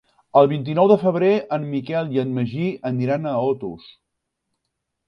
El vint-i-nou de febrer en Miquel i en Magí aniran a Otos.